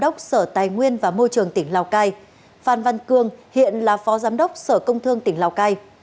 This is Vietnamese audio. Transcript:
phan văn cương hiện là phó giám đốc sở công thương tỉnh lào cai